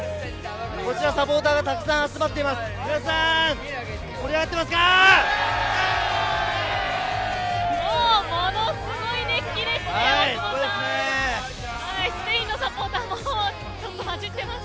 こちらサポーターがたくさん集まっています。